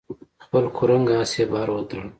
خپل کرنګ آس یې بهر وتاړه.